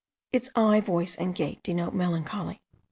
Its eye, voice, and gait, denote melancholy.